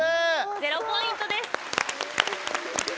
０ポイントです。